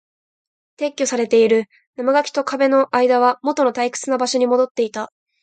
撤去されている。生垣と壁の間はもとの退屈な場所に戻っていた。